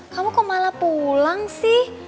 kamu kok malah pulang sih